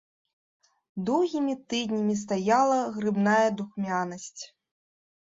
Доўгімі тыднямі стаяла грыбная духмянасць.